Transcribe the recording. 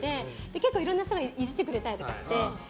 結構いろんな人がイジってくれたりして。